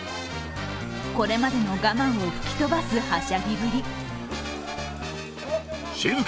これまでの我慢を吹き飛ばすはしゃぎぶり。